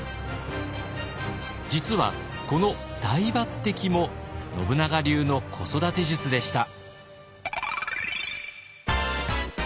実はこの大抜擢も信長流の子育て術でした。